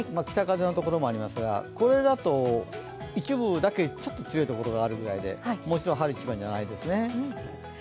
北風のところもありますが、これだと一部だけ、ちょっと強いところがあるぐらいでもちろん春一番じゃないですね。